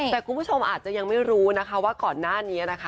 แต่คุณผู้ชมอาจจะยังไม่รู้นะคะว่าก่อนหน้านี้นะคะ